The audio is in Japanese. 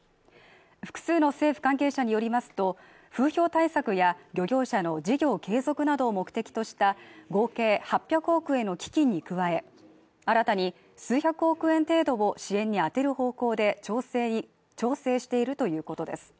複数の政府関係者によりますと風評対策や漁業者の事業継続などを目的とした合計８００億円の基金に加え新たに数百億円程度を支援に充てる方向で調整しているということです